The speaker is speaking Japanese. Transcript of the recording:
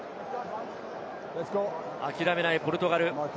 諦めないポルトガル。